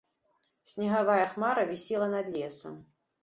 Снегавая хмара вісела над лесам.